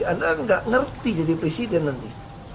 anda nggak ngerti jadi presiden nanti